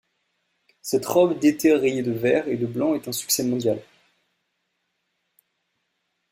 Cette robe d'été rayée de vert et de blanc est un succès mondial.